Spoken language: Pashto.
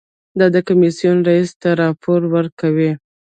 دا د کمیسیون رییس ته راپور ورکوي.